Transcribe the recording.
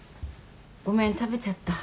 ごめん食べちゃった。